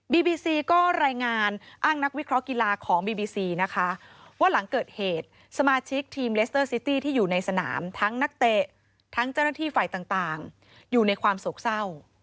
บีซีก็รายงานอ้างนักวิเคราะห์กีฬาของบีบีซีนะคะว่าหลังเกิดเหตุสมาชิกทีมเลสเตอร์ซิตี้ที่อยู่ในสนามทั้งนักเตะทั้งเจ้าหน้าที่ฝ่ายต่างอยู่ในความโศกเศร้า